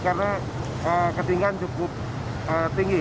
karena ketinggian cukup tinggi